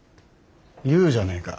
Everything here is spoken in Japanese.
言うじゃねえか。